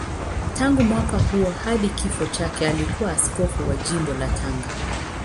Tangu mwaka huo hadi kifo chake alikuwa askofu wa Jimbo la Tanga.